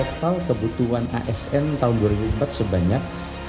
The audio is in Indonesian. total kebutuhan asn tahun dua ribu empat sebanyak